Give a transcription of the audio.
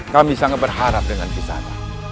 kami sangat berharap dengan kisah